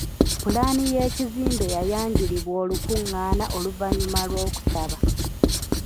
Pulaani y'ekizimbe yayanjulibwa olukungaana oluvannyuma lw'okusaba.